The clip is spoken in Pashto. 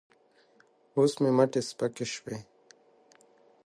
اوس مې مټې سپکې شوې.